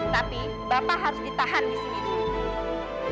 tapi bapak harus ditahan disini